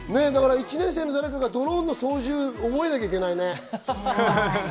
１年生の誰かがドローンの操縦を覚えなきゃいけないね。